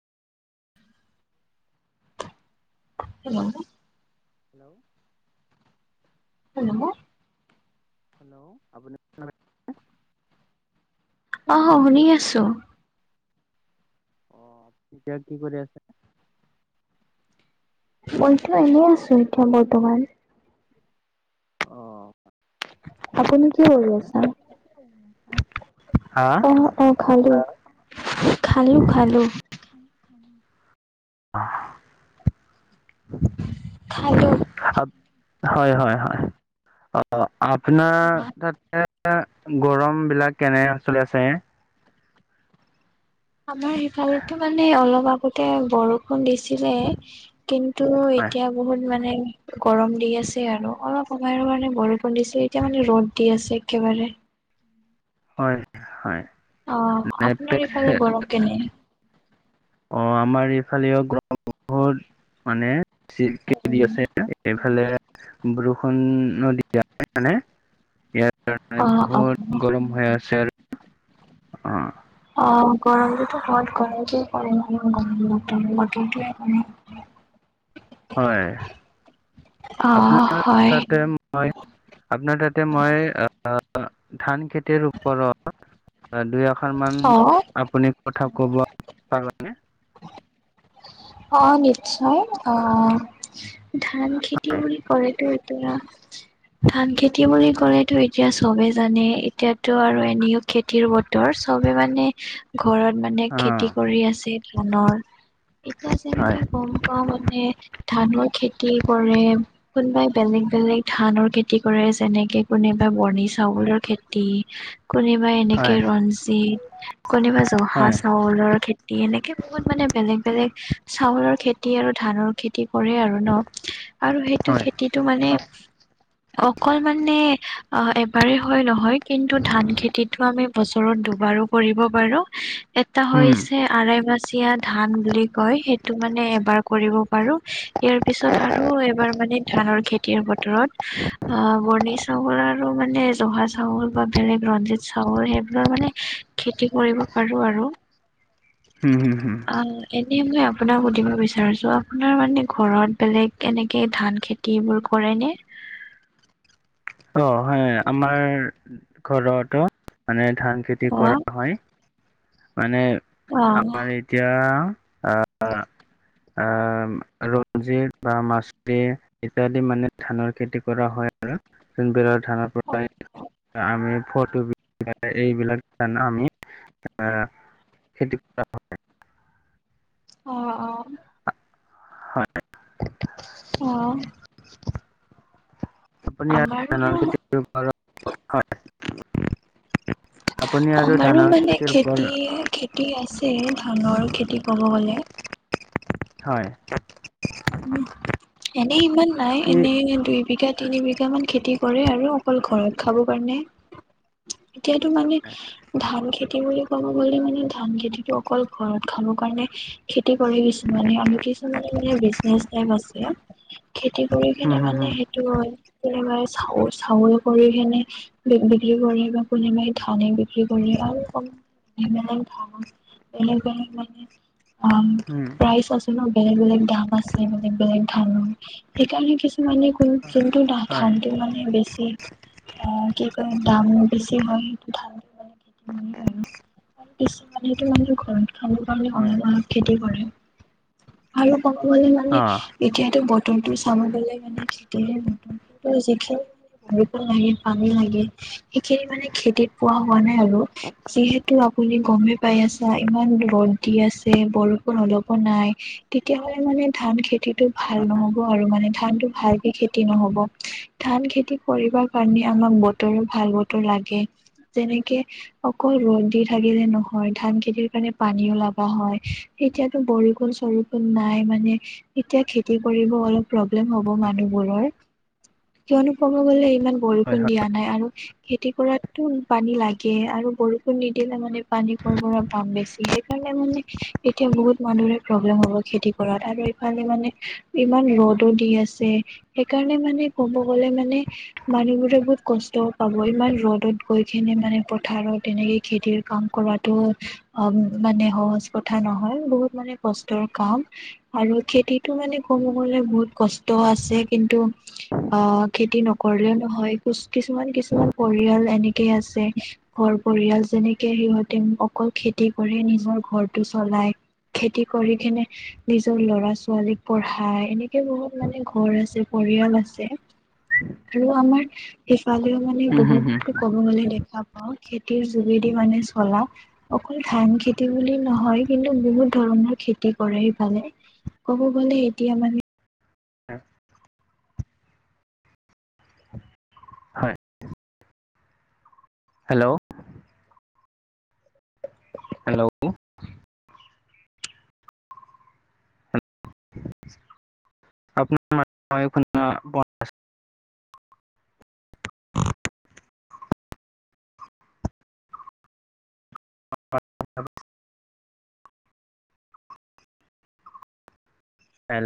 [inaudible] Hello hello hello আপুনি- অ', শুনি আছো। অ', এতিয়া কি কৰি আছে? মইতো এনেই আছো এতিয়া বৰ্তমান। অ ভাত আপুনি কি চাত কৰি খালে? আছা? [inaudible] হা'? অ', অ', খালো খালো খালো। [unintelligible] খালো। হয়', হয়', হয়', অ', আপোনাৰ তাত- এ এ গৰম বিলাক কেনে চলি আছে? আমাৰ সিফালেটো মানে অলপ আগতে বৰষ- খোন্দিছিলে কিন্তু হয়, এতিয়া বহুত মানে। গৰম দি আছে আৰু অলপ সময়ৰ কাৰণে বৰষুণ দিছিল, এতিয়া মানে ৰ'দ দি আছে একেবাৰে। হয়ঁ হয়ঁ! অঁ আপোনাৰ এইফালে গৰম কেনে? অঁ আমাৰ এইফালে গৰম বহুত মানে অ জোৰকে দি আছে। এইফালে বৰষুণ নদী দিয়া নাই মানে ইয়াত। সেই কাৰণে অ বহুত গৰম হৈ আছে আৰু অহ। অঁ গৰমটোতো বহুত গৰমকে পৰে মানুহৰ গৰমতো। কিন্তু ইয়াত হয়। অলপ অহ হয়ঁ। হয় আপোনাৰ তাতে মই আ আ আ ধান খেতিৰ ওপৰত- দুই আশৰ মান অ', আপুনি কথা ক'ব পাৰনে? অঁ নিশ্চয় অঁ ধান খেতি হয় বুলি কলেতো- এতিয়া - ধান খেতি বুলি ক'লেতো এতিয়া চবে জানেই এতিয়াতটো আৰু এনেও- খেতিৰ বতৰ, চবে মানে ঘৰত মানে অ খেতি কৰি আছে ধানৰ। এতিয়া হয় যেনেকে গম পাওঁ মানে ধানৰ খেতি কৰে কোনবাই- বেলেগ বেলেগ ধানৰ খেতি কৰে যেনেকে কোনেবা বৰ্ণি চাউলৰ খেতি। কোনোবাই এনেকে হয় ৰঞ্জিত, কোনোবাই জহা হয় চাউলৰ খেত- তি এনেকে বহুত মানে বেলেগ বেলেগ চাউলৰ খেতি আৰু ধানৰ- খেতি কৰে আৰু ন'। আৰু সেইটো হয় খেতিত- টো মানে অকল মানে আহ এবাৰে হয় নহয়। কিন্তু ধান খেতিটো আমি বছৰত দুবাৰো কৰিব পাৰোঁ। এটা উম হৈছে- আৰেমাচিয়া ধান বুলি- কয়। সেইটো মানে এবাৰ কৰিব পাৰো। ইয়াৰ পিছত আৰু এবাৰ মানে ধানৰ খেতিৰ বতৰত- আ বৰ্ণি চাউল আৰু মানে জহা চাউল বা বেলেগ ৰঞ্জিত চাউল সেইবোৰৰ মানে- খেতি কৰিব পাৰো আৰু। হম, হম, হম। উমঁ এনে মই আপোনাক সুধিব বিচাৰিছোঁ, আপোনাৰ মানে ঘৰত বেলেগ কেনেকে ধান খেতি - কিবোৰ কৰে নে? অঁ হয়ঁ আমাৰ ঘৰত অঁ মানে ধান খেতি অ কৰা হয়। মানে অ। আমাৰ এতিয়া আ, আ- আম, ৰঞ্জিত বা মাচুৰী- ইত্যাদি মানে ধানৰ খেতি কৰা হয় আৰু যোন বিৰত- ধানৰ পৰাই আমি ফটো বি এইবিলা জান আমি- আ, খেতি কৰা অঁ, অঁ! অহ। আপুনি আৰু আমাৰো ধানৰ খেতি কৰিব পাৰ হয়। আপুনি আৰু আমাৰো ধানৰ মানে খেতিৰ খেতি ওপৰত একে। তি আছে ধানৰ খেতি ক'ব গ'লে। হয়ঁ! এনেই ইমান নাই কি হুম, এনেই দুই বিঘা তিনি বিঘা - অলপ মান খেতি কৰে আৰু অকল ঘৰত খাব কাৰণে। এতিয়াতো মানে ধান খেতি বুলি- ক'ব গ'লে মানে, ধান খেতিটো অকল ঘৰত খাব কাৰণে খেতি কৰে কিছুমানে, আমি কিছুমানে মানে [unintelligible] [unintelligible] আছে। খেতি কৰি কিনে হুম, মানে হুম, সে সেইটো হয়, [unintelligible] চাউ-চাউল কৰি কিনে বি-বিক্ৰী কৰে বা কোনোবাই ধানে বিক্ৰী কৰে। আৰু কম [unintelligible] আম, হুম, প্ৰাইচ আছে ন'! বেলেগ-বেলেগ দাম আছে, মানে বেলেগ ধান, সেইকাৰণে কিছ [unintelligible] যোনটো হয়, ধানটো মানে বেছি। অ, কি কৰিম দাম বেছি হয়, সেইটো [unintelligible] কিছুমানেটো মানুহ ঘৰত খাব কাৰণে হয়, অলপ-অলপ খেতি কৰে। আৰু ক'ব গ'লে মানে অ', এতিয়াতো বতৰটো চাব গ'লে মানে যিতুহে ৰোব লাগে, পানী লাগে, সেইখিনি মানে খেতিত পোৱা হোৱা নাই আৰু, যিহেতু বুলি গমেই পাই আছা। ইমান ৰ'দ দি আছে, বৰষুণ অলপো নাই। তেতিয়া হ'লে মানে ধান খেতিটো ভাল নহ'ব আৰু, মানে ধানটো ভালকে খেতি নহ'ব। ধান খেতি কৰিব কাৰণে হয়, আমাক বতৰো ভাল বতৰ লাগে। যেনেকে অকল ৰ'দ দি থাকিলে যে নহয়, ধান খেতিৰ কাৰণে পানীও লগা হয়। এতিয়াতো বৰষুণ-চৰষুণ নাই মানে। এতিয়া খেতি কৰিব অলপ প্ৰব্লেম হ'ব মানুহবোৰৰ। কিয়নো ক'ব গ'লে ইমান হয়, বৰষুণ দিয়া নাই আৰু খেতি কৰাততো পানী লাগে, আৰু বৰষুণ নিদিলে মানে পানী কৰ পৰা পাম। বেছি সেইকাৰণে মানে এতিয়া বহুত মানুহৰে প্ৰব্লেম হ'ব খেতি কৰাত আৰু খালি মানে ইমান ৰ'দো দি আছে, সেইকাৰণে মানে ক'ব গ'লে মানে মানুহবোৰে বহুত কষ্ট পাব, ইমান ৰ'দত গৈ কিনে মানে পথাৰত তেনেকে খেতিৰ কাম কৰাটো মানে সহজ কথা নহয়। বহুত মানে কষ্টৰ কাম। আৰু খেতিটো মানে ক'ব গ'লে বহুত কষ্ট আছে, কিন্তু অহ, খেতি নকৰিলেও নহয়। কিছুমান-কিছুমান পৰিয়াল এনেকেই আছে। ঘৰ পৰিয়াল যেনেকে সিহঁতে অকল খেতি কৰি নিজৰ ঘৰটো চলাই। খেতি কৰি কিনে নিজৰ ল'ৰা-ছোৱালী ছোৱালীক পঢ়াই এনেকে বহুত মানে ঘৰ আছে, পৰিয়াল আছে। আৰু আমাৰ, সিফালেও মানে হুম, হুম, হুম, বহুত ক'ব গ'লে দেখা পাও। খেতিৰ যোগেদি মানে চলা অকল ধান খেতি বুলি নহয়। কিন্তু বহুত ধৰণৰ খেতি কৰে সেইফালে। ক'ব গ'লে এতিয়া মানে হয়। হয়। হেল্ল'! হেল্ল'! আপোনাৰ [unintelligible] [unintelligible]